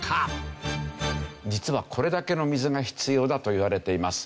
実はこれだけの水が必要だといわれています。